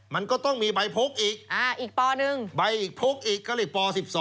มันก็ต้องมีใบพกอีกอีกป๑ใบพกอีกก็เลยป๑๒